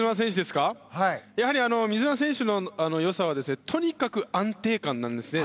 やはり水沼選手の良さはとにかく安定感なんですね。